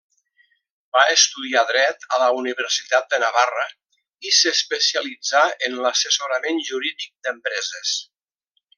Va estudiar dret a la Universitat de Navarra i s'especialitzà en l'assessorament jurídic d'empreses.